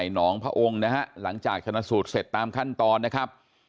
หนองพระองค์นะฮะหลังจากชนะสูตรเสร็จตามขั้นตอนนะครับ